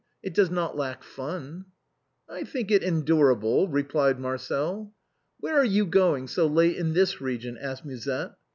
It does not lack fun." " I think it endurable," replied Marcel. "Where are you going so late in this region?" asked Musette.